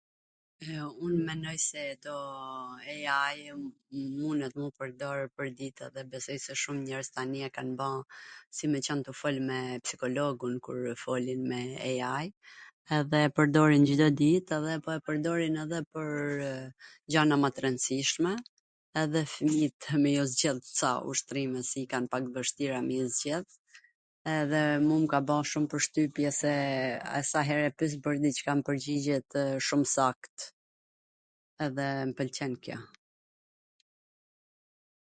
E, un menoj se do eiai munet me u pwrdor pwrdit edhe besoj se shum njerz tani e kan ba si me qwn tu fol me psikologun kurw folin me eiai-n edhe po e pwrdorin Cdo dit edhe po e pwrdorin pwrw gjana ma t rwndsishme, edhe fmijt ka me ju zgjidh ca ushtrime se jan t vwshtira me i zgjidh, edhe mu m ka ba shum pwrshtypje se sa her e pys pwr diCka mw pwrgjigjet shum sakt edhe m pwlqen kjo